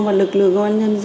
đấy là luật quy định rồi